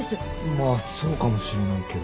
まあそうかもしれないけど。